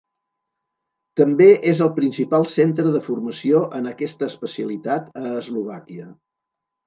També és el principal centre de formació en aquesta especialitat a Eslovàquia.